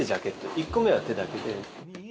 １個目は手だけで。